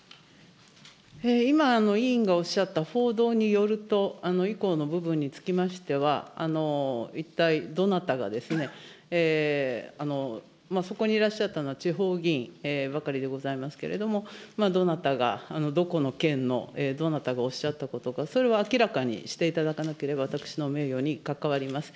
今、委員がおっしゃった報道によると、以降の部分につきましては、一体どなたがですね、そこにいらっしゃったのは地方議員ばかりでございますけれども、どなたが、どこの県のどなたがおっしゃったことか、それは明らかにしていただかなければ私の名誉に関わります。